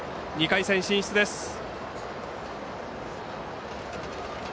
２回戦進出です。